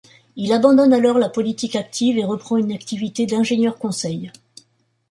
Il abandonne alors la politique active et reprend une activité d'ingénieur-conseil.